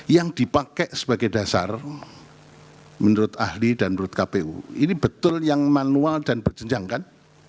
yang dipakai sebagai dasar menurut ahli dan menurut kpu ini betul yang manual dan berjenjang kan